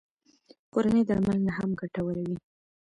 کورنۍ درملنه هم ګټوره وي